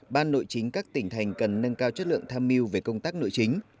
ban nội chính các tỉnh thành cần nâng cao chất lượng tham mưu về công tác nội chính